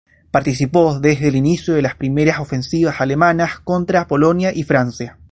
Participó desde el inicio en las primeras ofensivas alemanas contra Polonia y Francia.